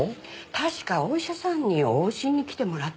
確かお医者さんに往診に来てもらってるって言ってた。